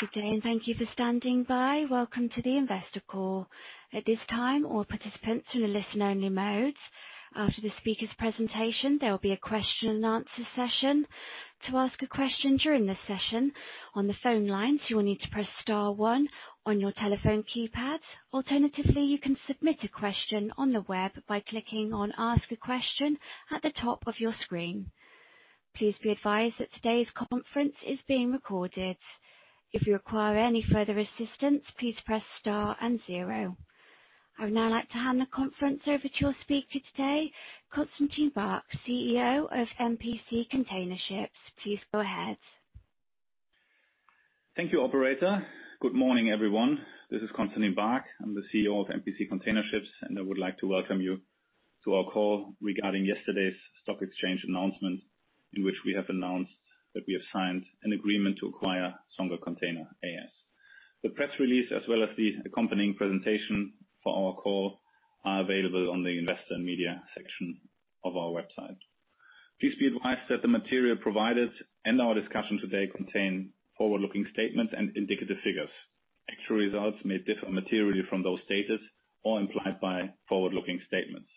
Good day, and thank you for standing by. Welcome to the Investor call. At this time, all participants are in listen-only mode. After the speaker's presentation, there will be a question-and-answer session. To ask a question during this session on the phone lines, you will need to press star one on your telephone keypad. Alternatively, you can submit a question on the web by clicking on "Ask a Question" at the top of your screen. Please be advised that today's conference is being recorded. If you require any further assistance, please press star and zero. I would now like to hand the conference over to your speaker today, Constantin Baack, CEO of MPC Container Ships. Please go ahead. Thank you, Operator. Good morning, everyone. This is Constantin Baack. I'm the CEO of MPC Container Ships, and I would like to welcome you to our call regarding yesterday's stock exchange announcement, in which we have announced that we have signed an agreement to acquire Songa Container AS. The press release, as well as the accompanying presentation for our call, are available on the Investor and Media section of our website. Please be advised that the material provided and our discussion today contain forward-looking statements and indicative figures. Actual results may differ materially from those stated or implied by forward-looking statements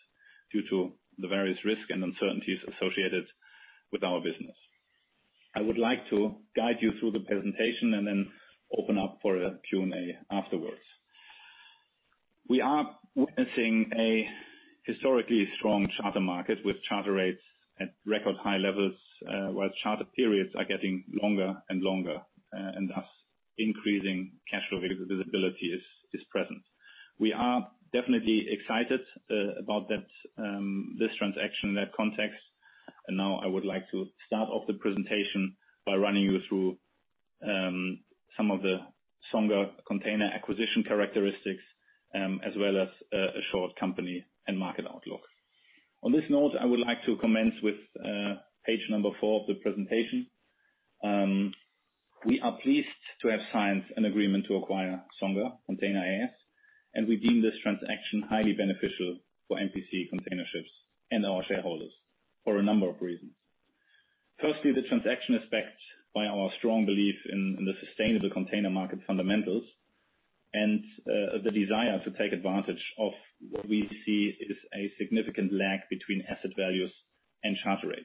due to the various risks and uncertainties associated with our business. I would like to guide you through the presentation and then open up for a Q&A afterwards. We are witnessing a historically strong charter market with charter rates at record high levels, while charter periods are getting longer and longer, and thus increasing cash flow visibility is present. We are definitely excited about this transaction in that context, and now I would like to start off the presentation by running you through some of the Songa Container acquisition characteristics, as well as a short company and market outlook. On this note, I would like to commence with page number four of the presentation. We are pleased to have signed an agreement to acquire Songa Container AS, and we deem this transaction highly beneficial for MPC Container Ships and our shareholders for a number of reasons. Firstly, the transaction is backed by our strong belief in the sustainable container market fundamentals and the desire to take advantage of what we see is a significant lag between asset values and charter rates.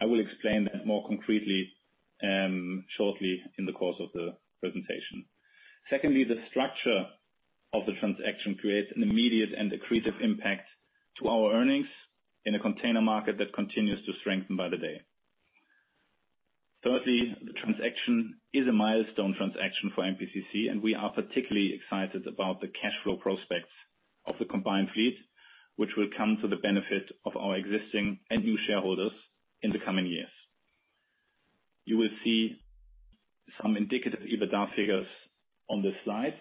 I will explain that more concretely shortly in the course of the presentation. Secondly, the structure of the transaction creates an immediate and accretive impact to our earnings in a container market that continues to strengthen by the day. Thirdly, the transaction is a milestone transaction for MPCC, and we are particularly excited about the cash flow prospects of the combined fleet, which will come to the benefit of our existing and new shareholders in the coming years. You will see some indicative EBITDA figures on this slide,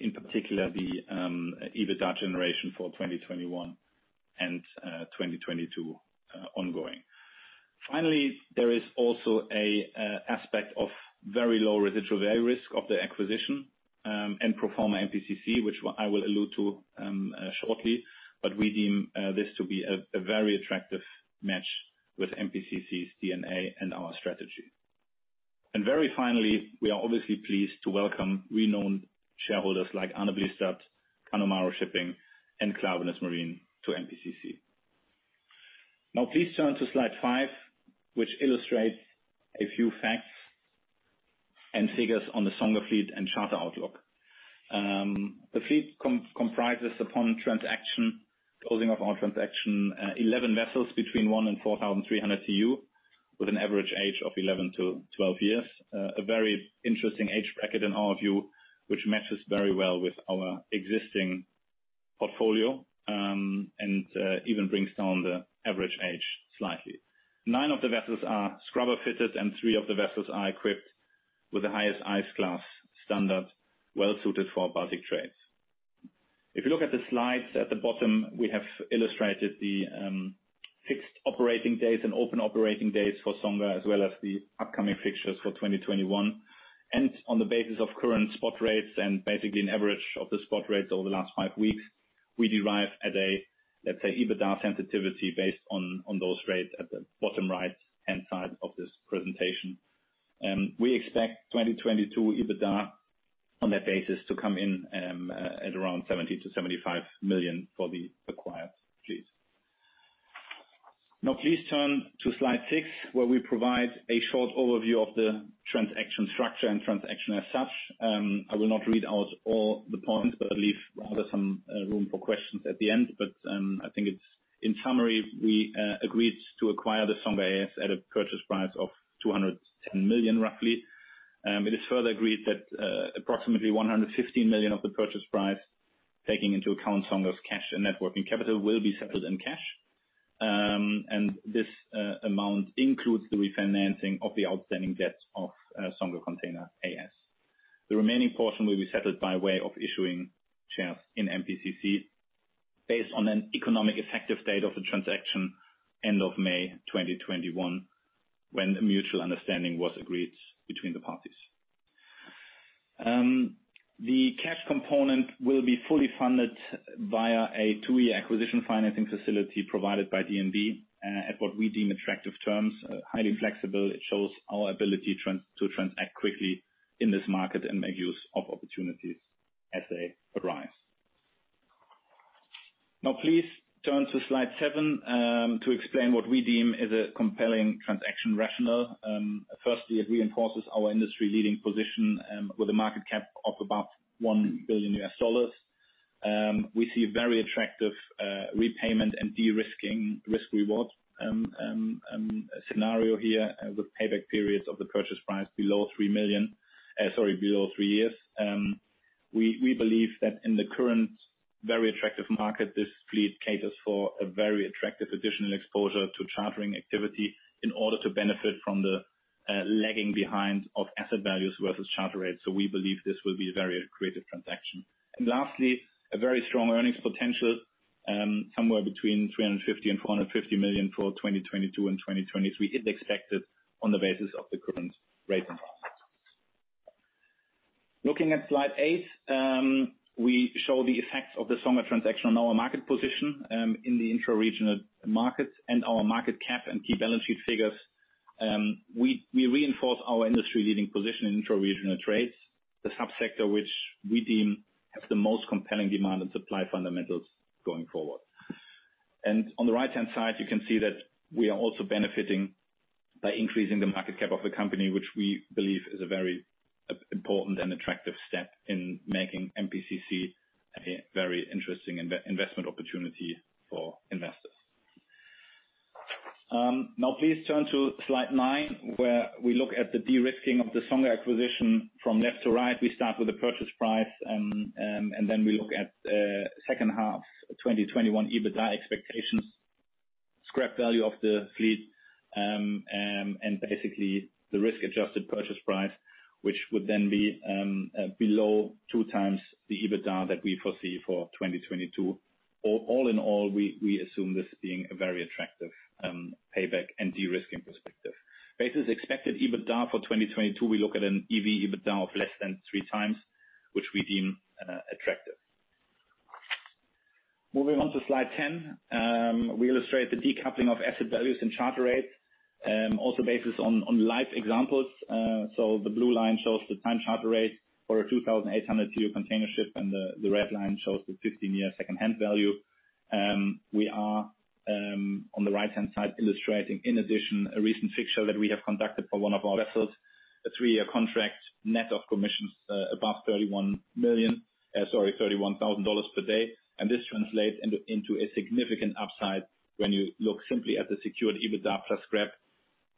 in particular the EBITDA generation for 2021 and 2022 ongoing. Finally, there is also an aspect of very low residual value risk of the acquisition and pro forma MPCC, which I will allude to shortly, but we deem this to be a very attractive match with MPCC's DNA and our strategy. Very finally, we are obviously pleased to welcome renowned shareholders like Arne Blystad, Canomaro Shipping, and Klaveness Marine to MPCC. Now, please turn to Slide 5, which illustrates a few facts and figures on the Songa fleet and charter outlook. The fleet comprises upon transaction closing of our transaction 11 vessels between 1,000 TEU and 4,300 TEU, with an average age of 11years-12 years, a very interesting age bracket in our view, which matches very well with our existing portfolio and even brings down the average age slightly. Nine of the vessels are scrubber-fitted, and three of the vessels are equipped with the highest Ice Class standard, well-suited for Baltic trades. If you look at the slides at the bottom, we have illustrated the fixed operating days and open operating days for Songa, as well as the upcoming fixtures for 2021. And on the basis of current spot rates and basically an average of the spot rates over the last five weeks, we derive at a, let's say, EBITDA sensitivity based on those rates at the bottom right-hand side of this presentation. We expect 2022 EBITDA on that basis to come in at around 70 million-75 million for the acquired fleet. Now, please turn to Slide 6, where we provide a short overview of the transaction structure and transaction as such. I will not read out all the points, but leave rather some room for questions at the end. But I think in summary, we agreed to acquire the Songa Container AS at a purchase price of 210 million, roughly. It is further agreed that approximately 115 million of the purchase price, taking into account Songa's cash and net working capital, will be settled in cash. And this amount includes the refinancing of the outstanding debts of Songa Container AS. The remaining portion will be settled by way of issuing shares in MPCC based on an economic effective date of the transaction end of May 2021, when a mutual understanding was agreed between the parties. The cash component will be fully funded via a two-year acquisition financing facility provided by DNB at what we deem attractive terms, highly flexible. It shows our ability to transact quickly in this market and make use of opportunities as they arise. Now, please turn to Slide 7 to explain what we deem is a compelling transaction rationale. Firstly, it reinforces our industry-leading position with a market cap of about $1 billion. We see a very attractive repayment and de-risking risk-reward scenario here with payback periods of the purchase price below three million, sorry, below three years. We believe that in the current very attractive market, this fleet caters for a very attractive additional exposure to chartering activity in order to benefit from the lagging behind of asset values versus charter rates. So we believe this will be a very accretive transaction. And lastly, a very strong earnings potential somewhere between 350 million and 450 million for 2022 and 2023, expected on the basis of the current rate and price. Looking at Slide 8, we show the effects of the Songa transaction on our market position in the intraregional markets and our market cap and key balance sheet figures. We reinforce our industry-leading position in intraregional trades, the subsector which we deem has the most compelling demand and supply fundamentals going forward. And on the right-hand side, you can see that we are also benefiting by increasing the market cap of the company, which we believe is a very important and attractive step in making MPCC a very interesting investment opportunity for investors. Now, please turn to Slide 9, where we look at the de-risking of the Songa acquisition from left to right. We start with the purchase price, and then we look at second half 2021 EBITDA expectations, scrap value of the fleet, and basically the risk-adjusted purchase price, which would then be below two times the EBITDA that we foresee for 2022. All in all, we assume this being a very attractive payback and de-risking perspective. Based on the expected EBITDA for 2022, we look at an EV/EBITDA of less than three times, which we deem attractive. Moving on to Slide 10, we illustrate the decoupling of asset values and charter rates, also based on live examples. So the blue line shows the time charter rate for a 2,800 TEU container ship, and the red line shows the 15-year second-hand value. We are, on the right-hand side, illustrating, in addition, a recent fixture that we have conducted for one of our vessels, a three-year contract net of commissions above $31 million, sorry, $31,000 per day, and this translates into a significant upside when you look simply at the secured EBITDA plus scrap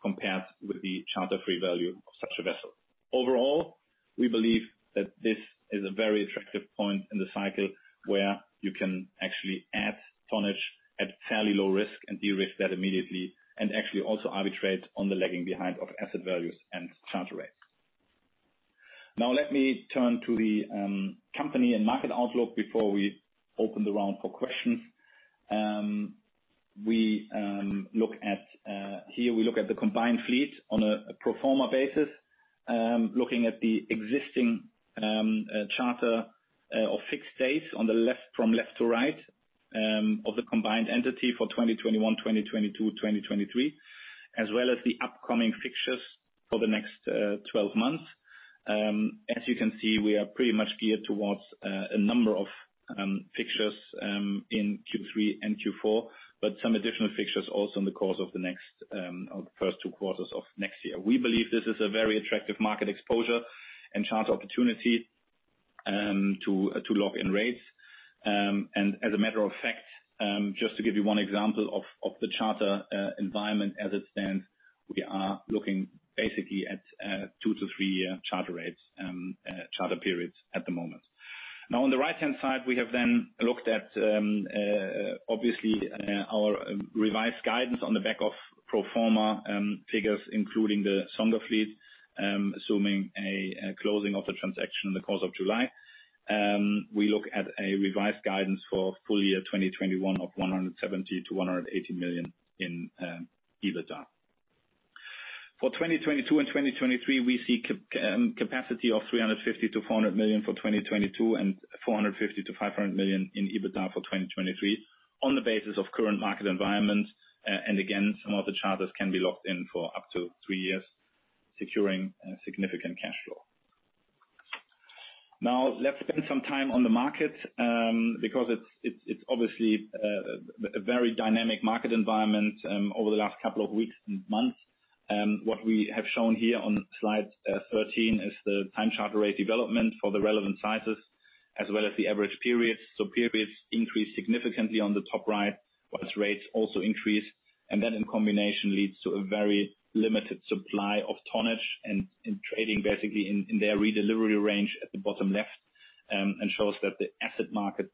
compared with the charter-free value of such a vessel. Overall, we believe that this is a very attractive point in the cycle where you can actually add tonnage at fairly low risk and de-risk that immediately and actually also arbitrate on the lagging behind of asset values and charter rates. Now, let me turn to the company and market outlook before we open the round for questions. Here, we look at the combined fleet on a pro forma basis, looking at the existing charter or fixed days from left to right of the combined entity for 2021, 2022, 2023, as well as the upcoming fixtures for the next 12 months. As you can see, we are pretty much geared towards a number of fixtures in Q3 and Q4, but some additional fixtures also in the course of the first two quarters of next year. We believe this is a very attractive market exposure and charter opportunity to lock in rates. And as a matter of fact, just to give you one example of the charter environment as it stands, we are looking basically at two- to three-year charter rates, charter periods at the moment. Now, on the right-hand side, we have then looked at, obviously, our revised guidance on the back of pro forma figures, including the Songa fleet, assuming a closing of the transaction in the course of July. We look at a revised guidance for full year 2021 of 170 million-180 million in EBITDA. For 2022 and 2023, we see capacity of 350 million-400 million for 2022 and 450 million- 500 million in EBITDA for 2023 on the basis of current market environment. And again, some of the charters can be locked in for up to three years, securing significant cash flow. Now, let's spend some time on the market because it's obviously a very dynamic market environment over the last couple of weeks and months. What we have shown here on Slide 13 is the time charter rate development for the relevant sizes, as well as the average periods. Periods increased significantly on the top right, while rates also increased. And that, in combination, leads to a very limited supply of tonnage and trading, basically in their redelivery range at the bottom left, and shows that the asset market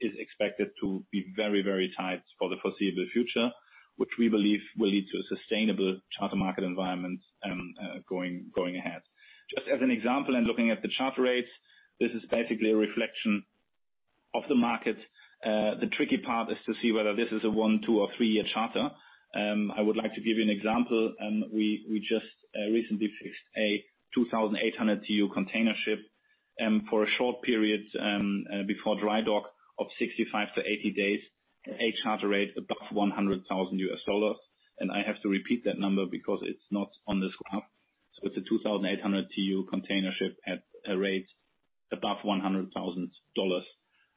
is expected to be very, very tight for the foreseeable future, which we believe will lead to a sustainable charter market environment going ahead. Just as an example, and looking at the charter rates, this is basically a reflection of the market. The tricky part is to see whether this is a one, two, or three-year charter. I would like to give you an example. We just recently fixed a 2,800 TEU container ship for a short period before dry dock of 65 days-80 days, a charter rate above $100,000. And I have to repeat that number because it's not on this graph. So it's a 2,800 TEU container ship at a rate above $100,000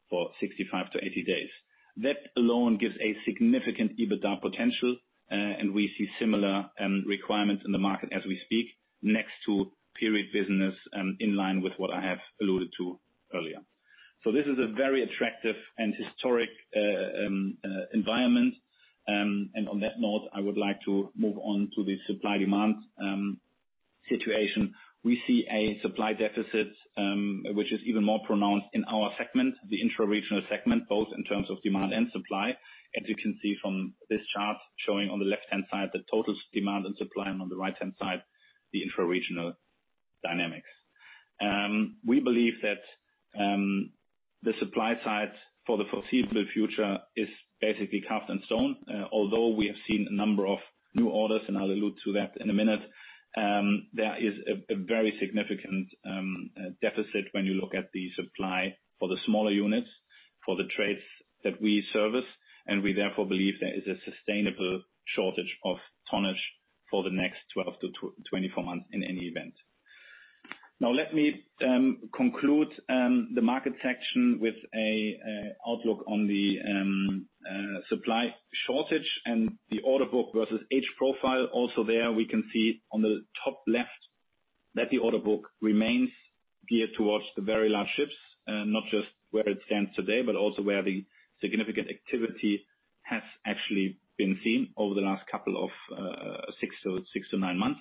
for 65 days-80 days. That alone gives a significant EBITDA potential, and we see similar requirements in the market as we speak, next to period business in line with what I have alluded to earlier. So this is a very attractive and historic environment. And on that note, I would like to move on to the supply-demand situation. We see a supply deficit, which is even more pronounced in our segment, the intraregional segment, both in terms of demand and supply. As you can see from this chart showing on the left-hand side the total demand and supply, and on the right-hand side, the intraregional dynamics. We believe that the supply side for the foreseeable future is basically carved in stone. Although we have seen a number of new orders, and I'll allude to that in a minute, there is a very significant deficit when you look at the supply for the smaller units for the trades that we service, and we therefore believe there is a sustainable shortage of tonnage for the next 12 months-24 months in any event. Now, let me conclude the market section with an outlook on the supply shortage and the order book versus age profile. Also there, we can see on the top left that the order book remains geared towards the very large ships, not just where it stands today, but also where the significant activity has actually been seen over the last couple of six months-to-nine months.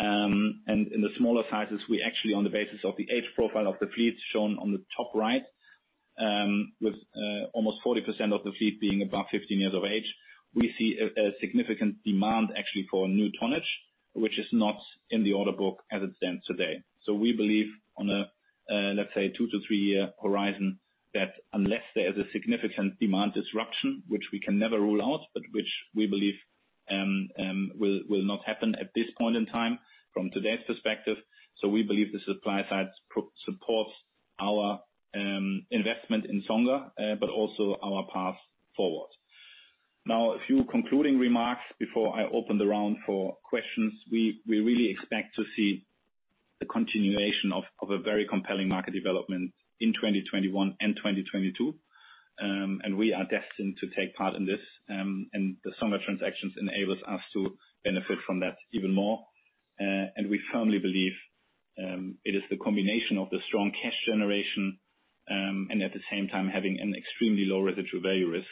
In the smaller sizes, we actually, on the basis of the age profile of the fleet shown on the top right, with almost 40% of the fleet being above 15 years of age, we see a significant demand actually for new tonnage, which is not in the order book as it stands today, so we believe, on a, let's say, two- to three-year horizon, that unless there is a significant demand disruption, which we can never rule out, but which we believe will not happen at this point in time from today's perspective, so we believe the supply side supports our investment in Songa, but also our path forward. Now, a few concluding remarks before I open the round for questions. We really expect to see the continuation of a very compelling market development in 2021 and 2022, and we are destined to take part in this. The Songa transactions enable us to benefit from that even more. We firmly believe it is the combination of the strong cash generation and, at the same time, having an extremely low residual value risk,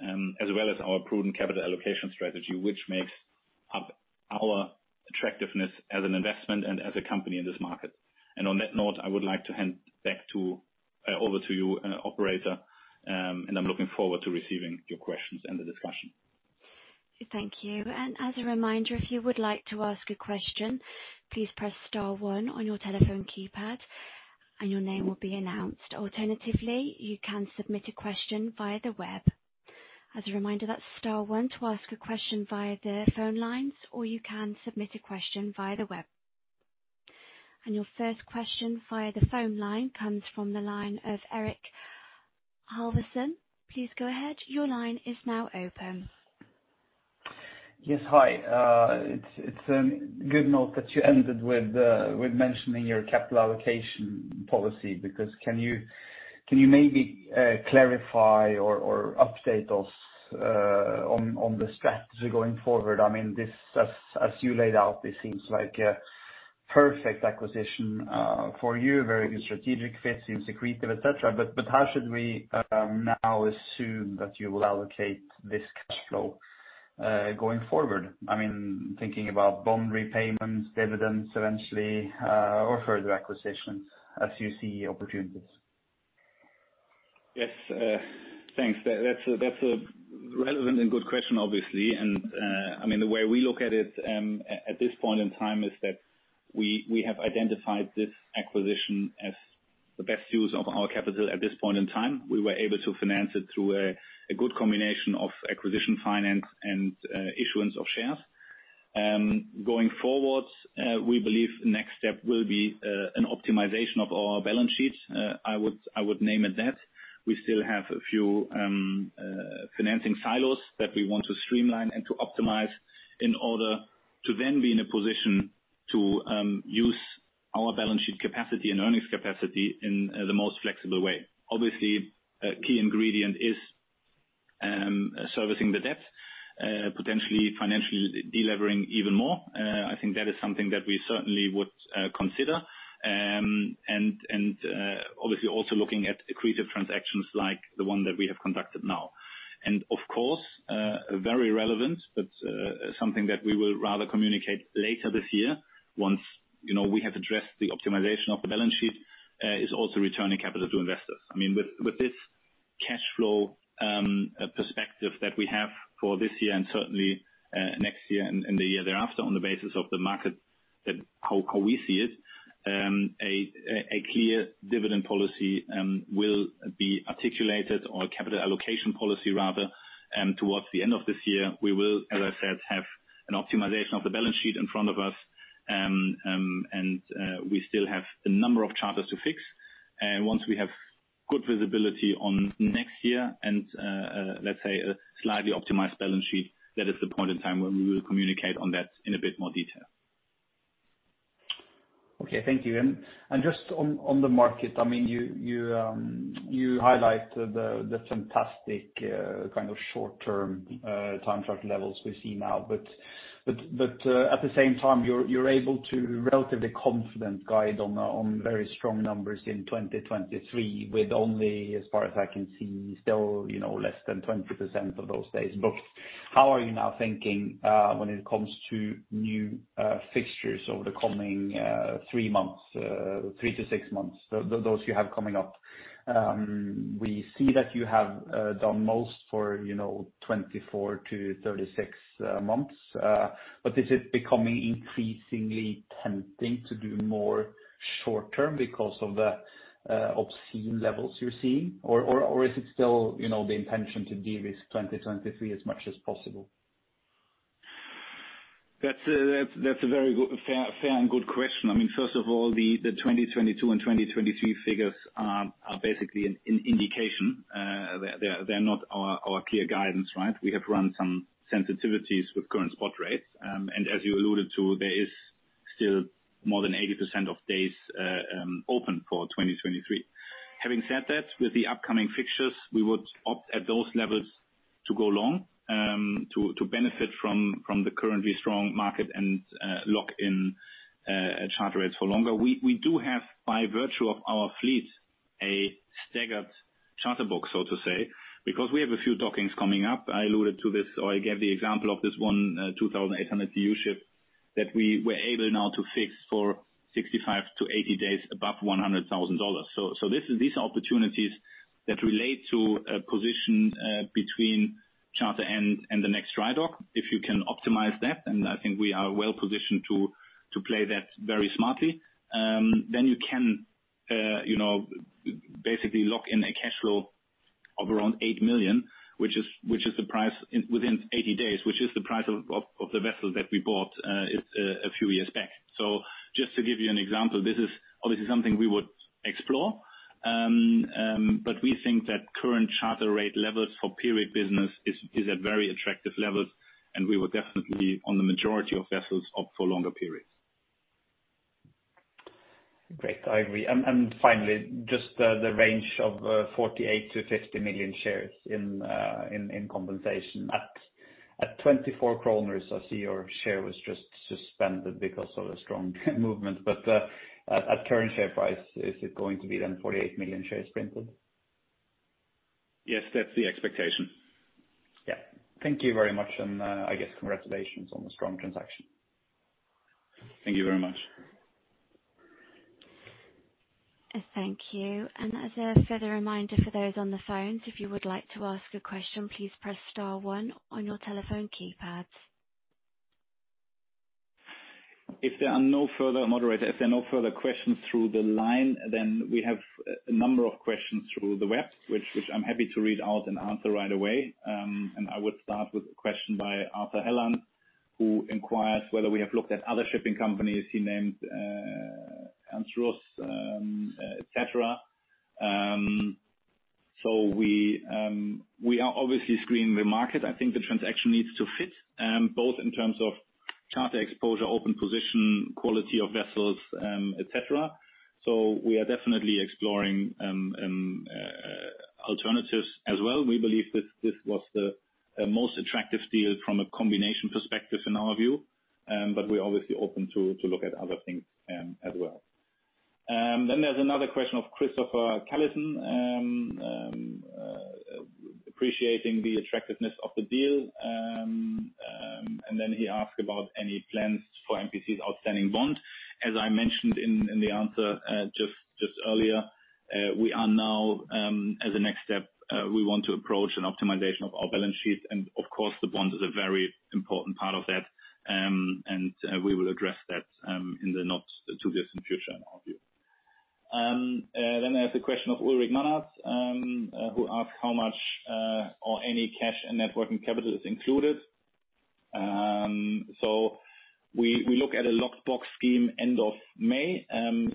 as well as our prudent capital allocation strategy, which makes up our attractiveness as an investment and as a company in this market. On that note, I would like to hand back over to you, Operator. I'm looking forward to receiving your questions and the discussion. Thank you. As a reminder, if you would like to ask a question, please press star one on your telephone keypad, and your name will be announced. Alternatively, you can submit a question via the web. As a reminder, that's star one to ask a question via the phone lines, or you can submit a question via the web. And your first question via the phone line comes from the line of Eirik Haavaldsen. Please go ahead. Your line is now open. Yes. Hi. It's a good note that you ended with mentioning your capital allocation policy because can you maybe clarify or update us on the strategy going forward? I mean, as you laid out, this seems like a perfect acquisition for you, a very good strategic fit, seems accretive, etc. But how should we now assume that you will allocate this cash flow going forward? I mean, thinking about bond repayments, dividends eventually, or further acquisitions as you see opportunities. Yes. Thanks. That's a relevant and good question, obviously. And I mean, the way we look at it at this point in time is that we have identified this acquisition as the best use of our capital at this point in time. We were able to finance it through a good combination of acquisition finance and issuance of shares. Going forward, we believe the next step will be an optimization of our balance sheet. I would name it that. We still have a few financing silos that we want to streamline and to optimize in order to then be in a position to use our balance sheet capacity and earnings capacity in the most flexible way. Obviously, a key ingredient is servicing the debt, potentially financially delivering even more. I think that is something that we certainly would consider. And obviously, also looking at accretive transactions like the one that we have conducted now. And of course, very relevant, but something that we will rather communicate later this year once we have addressed the optimization of the balance sheet, is also returning capital to investors. I mean, with this cash flow perspective that we have for this year and certainly next year and the year thereafter on the basis of the market, how we see it, a clear dividend policy will be articulated or capital allocation policy rather towards the end of this year. We will, as I said, have an optimization of the balance sheet in front of us. And we still have a number of charters to fix. And once we have good visibility on next year and, let's say, a slightly optimized balance sheet, that is the point in time when we will communicate on that in a bit more detail. Okay. Thank you. And just on the market, I mean, you highlighted the fantastic kind of short-term time charter levels we see now. But at the same time, you're able to relatively confident guide on very strong numbers in 2023 with only, as far as I can see, still less than 20% of those days booked. How are you now thinking when it comes to new fixtures over the coming three months, three to six months, those you have coming up? We see that you have done most for 24 months- 36 months. But is it becoming increasingly tempting to do more short-term because of the obscene levels you're seeing? Or is it still the intention to de-risk 2023 as much as possible? That's a very fair and good question. I mean, first of all, the 2022 and 2023 figures are basically an indication. They're not our clear guidance, right? We have run some sensitivities with current spot rates. As you alluded to, there is still more than 80% of days open for 2023. Having said that, with the upcoming fixtures, we would opt at those levels to go long to benefit from the currently strong market and lock in charter rates for longer. We do have, by virtue of our fleet, a staggered charter book, so to say, because we have a few dockings coming up. I alluded to this or I gave the example of this one 2,800 TEU ship that we were able now to fix for 65 days-80 days above $100,000. So these are opportunities that relate to a position between charter end and the next dry dock. If you can optimize that, then I think we are well positioned to play that very smartly. Then you can basically lock in a cash flow of around 8 million, which is the price within 80 days, which is the price of the vessel that we bought a few years back. So just to give you an example, this is obviously something we would explore. But we think that current charter rate levels for period business is at very attractive levels. And we would definitely, on the majority of vessels, opt for longer periods. Great. I agree. And finally, just the range of 48 million-50 million shares in compensation. At 24 million kroner, I see your share was just suspended because of a strong movement. But at current share price, is it going to be then 48 million shares printed? Yes. That's the expectation. Yeah. Thank you very much. And I guess congratulations on the strong transaction. Thank you very much. Thank you. And as a further reminder for those on the phone, if you would like to ask a question, please press star one on your telephone keypad. If there are no further questions through the line, then we have a number of questions through the web, which I'm happy to read out and answer right away. And I would start with a question by Arthur Hellan, who inquires whether we have looked at other shipping companies. He named Ernst Russ, etc. So we are obviously screening the market. I think the transaction needs to fit both in terms of charter exposure, open position, quality of vessels, etc. So we are definitely exploring alternatives as well. We believe this was the most attractive deal from a combination perspective in our view. But we're obviously open to look at other things as well. Then there's another question of Christopher Callison, appreciating the attractiveness of the deal. And then he asked about any plans for MPC's outstanding bond. As I mentioned in the answer just earlier, we are now, as a next step, we want to approach an optimization of our balance sheet. And of course, the bond is a very important part of that. And we will address that in the not too distant future, in our view. Then there's a question of Ulrik Mannhart, who asked how much or any cash and net working capital is included. So we look at a locked box scheme end of May.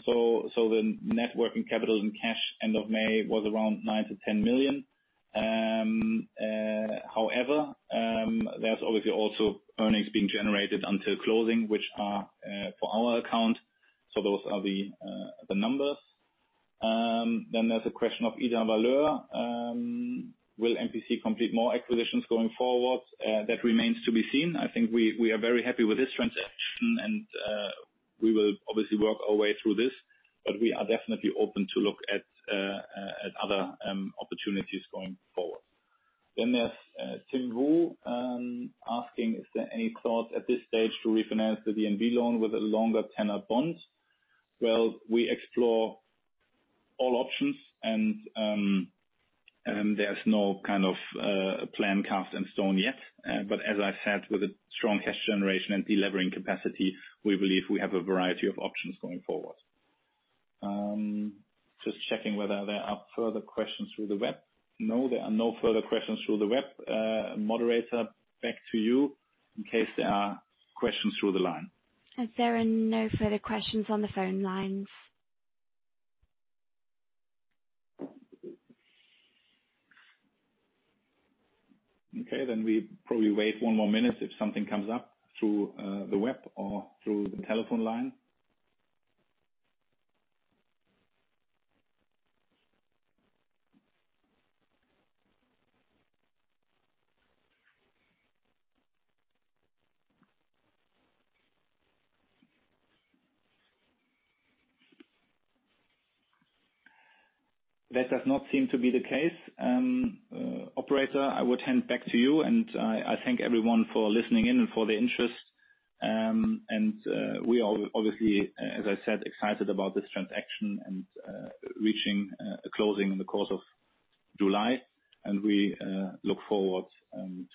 So the net working capital and cash end of May was around 9 million-10 million. However, there's obviously also earnings being generated until closing, which are for our account. So those are the numbers. Then there's a question of Eden Valleur. Will MPC complete more acquisitions going forward? That remains to be seen. I think we are very happy with this transaction. We will obviously work our way through this. We are definitely open to look at other opportunities going forward. There's Tim Wu asking, is there any thought at this stage to refinance the DNB loan with a longer tenor bond? Well, we explore all options. There's no kind of plan carved in stone yet. As I said, with a strong cash generation and delivering capacity, we believe we have a variety of options going forward. Just checking whether there are further questions through the web. No, there are no further questions through the web. Moderator, back to you in case there are questions through the line. Are there no further questions on the phone lines? Okay. Then, we probably wait one more minute if something comes up through the web or through the telephone line. That does not seem to be the case. Operator, I would hand back to you. And I thank everyone for listening in and for the interest. And we are obviously, as I said, excited about this transaction and reaching a closing in the course of July. And we look forward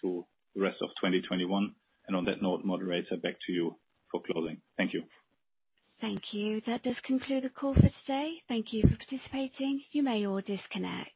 to the rest of 2021. And on that note, Moderator, back to you for closing. Thank you. Thank you. That does conclude the call for today. Thank you for participating. You may all disconnect.